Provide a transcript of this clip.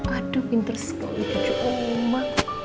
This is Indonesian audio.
aduh pinter sekali cua oma